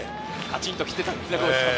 カチンときていたんですね。